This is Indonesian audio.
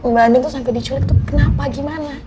mbak andin tuh sampai diculik tuh kenapa gimana